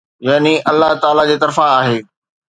يعني الله تعاليٰ جي طرفان آهي.